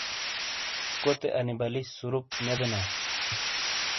کوتے انی بَلی سُورُوپ نے بینا۔